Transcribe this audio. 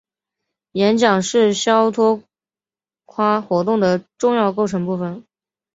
演讲是肖托夸活动的重要构成部分。